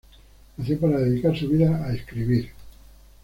Nació para dedicar su vida a escribir.